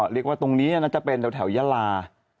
เรียกว่าตรงนี้จะเป็นเถ่าแถวยลา